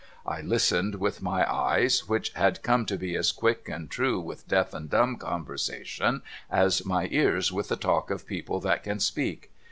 I listened with my eyes, which had come to be as quick and true with deaf and dumb conversation as my ears with the talk of people that can speak.